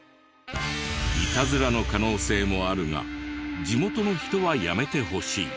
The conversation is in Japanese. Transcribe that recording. イタズラの可能性もあるが地元の人はやめてほしい。